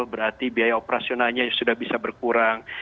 berarti biaya operasionalnya sudah bisa berkurang